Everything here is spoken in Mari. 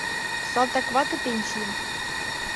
Салтаквате пенсийым.